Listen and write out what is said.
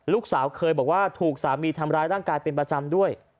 ลูกสาวเคยบอกว่าถูกสามีทำร้ายร่างกายเป็นประจำด้วย